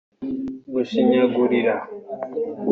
gushinyagurira